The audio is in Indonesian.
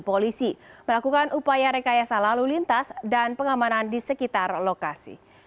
polisi melakukan upaya rekayasa lalu lintas dan pengamanan di sekitar lokasi